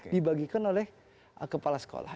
dibagikan oleh kepala sekolah